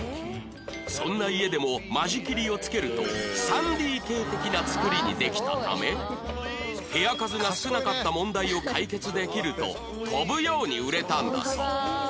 そんな家でも間仕切りをつけると ３ＤＫ 的なつくりにできたため部屋数が少なかった問題を解決できると飛ぶように売れたんだそう